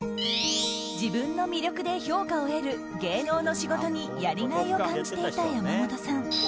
自分の魅力で評価を得る芸能の仕事にやりがいを感じていた山本さん。